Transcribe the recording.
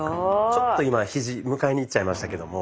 ちょっと今ひじ迎えにいっちゃいましたけども。